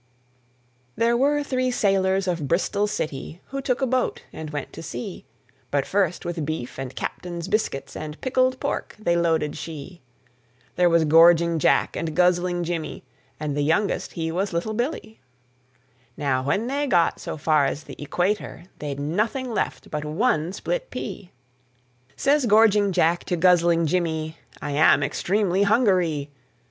There were three sailors of Bristol city Who took a boat and went to sea. But first with beef and captain's biscuits And pickled pork they loaded she. There was gorging Jack and guzzling Jimmy, And the youngest he was little Billee. Now when they got so far as the Equator They'd nothing left but one split pea. Says gorging Jack to guzzling Jimmy, "I am extremely hungaree."